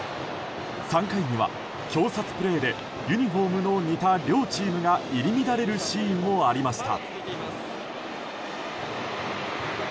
３回には挟殺プレーでユニホームの似た両チームが入り乱れるシーンもありました。